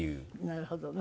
なるほどね。